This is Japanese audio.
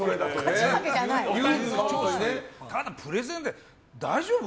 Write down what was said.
ただ、プレゼンで大丈夫？